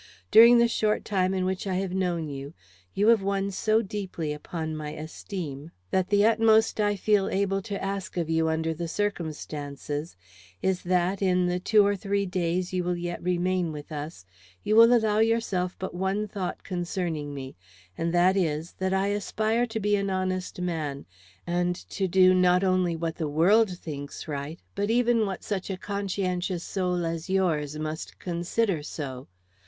During the short time in which I have known you, you have won so deeply upon my esteem, that the utmost which I feel able to ask of you under the circumstances is, that, in the two or three days you will yet remain with us, you will allow yourself but one thought concerning me, and that is, that I aspire to be an honest man, and to do not only what the world thinks right, but even what such a conscientious soul as yours must consider so.